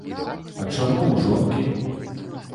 А чаму ў жонкі?